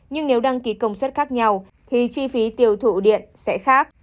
nhưng nếu đăng ký công suất khác nhau thì chi phí tiêu thụ điện sẽ khác